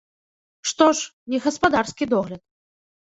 Што ж, не гаспадарскі догляд.